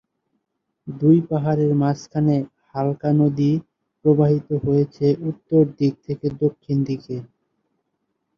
দুই পাহাড়ের মাঝখানে হালদা নদী প্রবাহিত হয়েছে উত্তর দিক হতে দক্ষিণ দিকে।